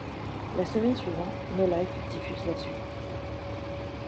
La semaine suivante, Nolife diffuse la suite, '.